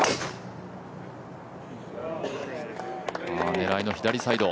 狙いの左サイド。